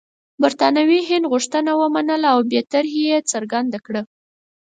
برټانوي هند غوښتنه ونه منله او بې طرفي یې څرګنده کړه.